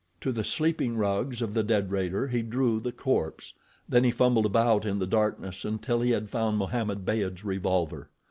To the sleeping rugs of the dead raider he drew the corpse, then he fumbled about in the darkness until he had found Mohammed Beyd's revolver.